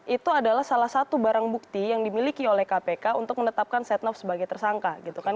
itu adalah salah satu barang bukti yang dimiliki oleh kpk untuk menetapkan setnov sebagai tersangka gitu kan